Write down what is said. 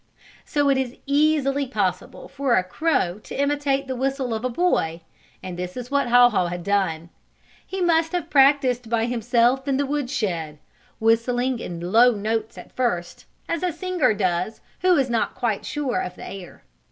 So it is easily possible for a crow to imitate the whistle of a boy, and this is what Haw Haw had done. He must have practised by himself in the woodshed, whistling in low notes at first, as a singer does who is not quite sure of the air.